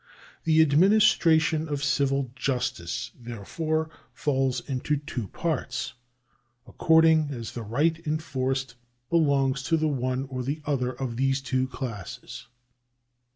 The administration of civil justice, therefore, falls into two parts, according as the right enforced belongs to the one or the other of these two classes.